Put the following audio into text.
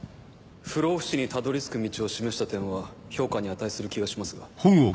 不老不死にたどり着く道を示した点は評価に値する気がしますが。